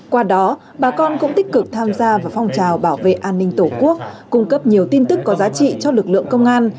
qua đó bà con cũng tích cực tham gia vào phong trào bảo vệ an ninh tổ quốc cung cấp nhiều tin tức có giá trị cho lực lượng công an